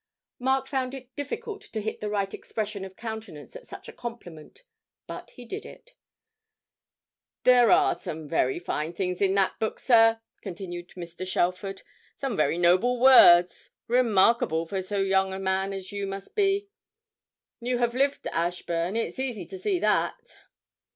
Mark found it difficult to hit the right expression of countenance at such a compliment, but he did it. 'There are some very fine things in that book, sir,' continued Mr. Shelford, 'some very noble words; remarkable for so young a man as you must be. You have lived, Ashburn, it's easy to see that!'